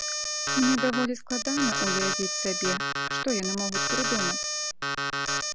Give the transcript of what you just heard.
Мне даволі складана ўявіць сабе, што яны могуць прыдумаць.